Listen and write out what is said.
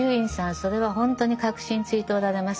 それはほんとに核心ついておられます。